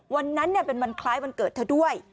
วันนั้นเป็นวันคล้ายวันเกิดเธอด้วย